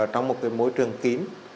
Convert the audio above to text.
trong một môi trường kín